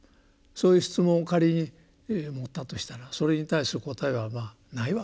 そういう質問を仮に持ったとしたらそれに対する答えはないわけですね。